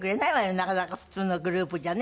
なかなか普通のグループじゃね。